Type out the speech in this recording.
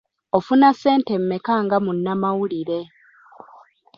Ofuna ssente mmeka nga munnamawulire?